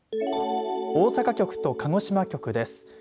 大阪局と鹿児島局です。